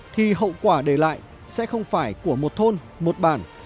thì hậu quả để lại sẽ không phải của một thôn một bản